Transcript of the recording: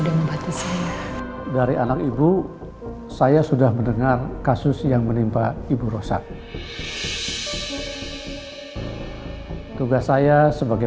dari anak ibu saya sudah mendengar kasus yang menimpa ibu rosa tugas saya sebagai